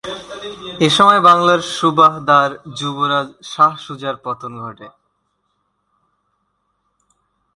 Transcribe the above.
এ সময় বাংলার সুবাহদার যুবরাজ শাহ সুজার পতন ঘটে।